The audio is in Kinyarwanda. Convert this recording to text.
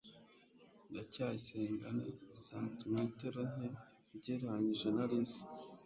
ndacyayisenga ni santimetero nke ugereranije na alice